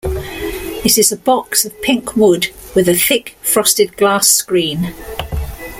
It is a box of pink wood with a thick frosted glass screen.